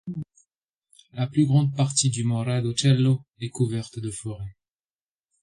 La plus grande partie du mont Radočelo est couverte de forêts.